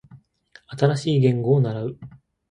新しい言語を習う